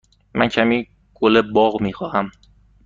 من کمی گل باغ می خواهم.